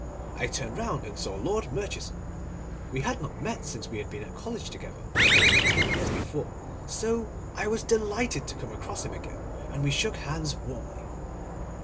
I turned round, and saw Lord Murchison. We had not met since we had been at college together, nearly ten years before, so I was delighted to come across him again, and we shook hands warmly.